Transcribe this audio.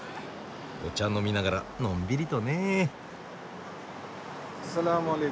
お茶飲みながらのんびりとね。